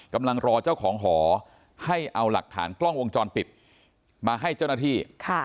กำลังรอเจ้าของหอให้เอาหลักฐานกล้องวงจรปิดมาให้เจ้าหน้าที่